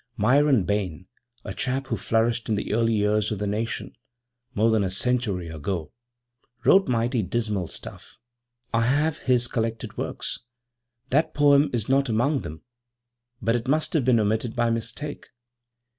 'Myron Bayne, a chap who flourished in the early years of the nation more than a century ago. Wrote mighty dismal stuff; I have his collected works. That poem is not among them, but it must have been omitted by mistake.'